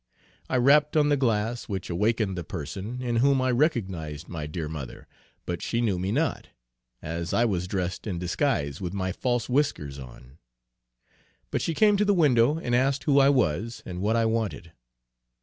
I rapped on the glass which awakened the person, in whom I recognised my dear mother, but she knew me not, as I was dressed in disguise with my false whiskers on; but she came to the window and asked who I was and what I wanted.